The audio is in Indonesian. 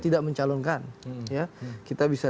tidak mencalonkan kita bisa